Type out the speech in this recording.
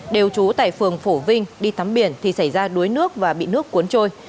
đều trú tại phường phổ vinh đi tắm biển thì xảy ra đuối nước và bị nước cuốn trôi